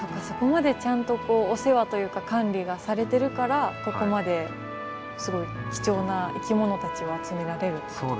そこまでちゃんとこうお世話というか管理がされてるからここまですごい貴重な生き物たちを集められるってことですね。